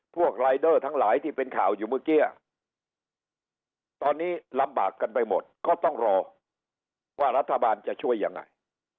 รายเดอร์ทั้งหลายที่เป็นข่าวอยู่เมื่อกี้ตอนนี้ลำบากกันไปหมดก็ต้องรอว่ารัฐบาลจะช่วยยังไง